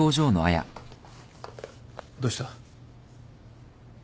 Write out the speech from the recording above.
どうした？